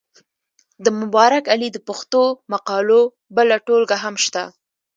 د مبارک علي د پښتو مقالو بله ټولګه هم شته.